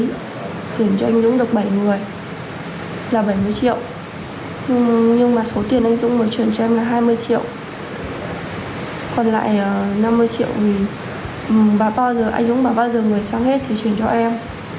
còn lại năm mươi triệu thì anh dũng bảo bao giờ người sang hết thì truyền cho em